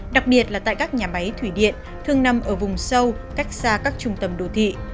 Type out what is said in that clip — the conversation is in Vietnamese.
đặc biệt là tại các nhà máy thủy điện thường nằm ở vùng sâu cách xa các trung tâm đồ thị